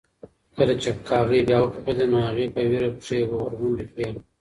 کله چې کاغۍ بیا وکغېده نو هغې په وېره پښې ورغونډې کړې.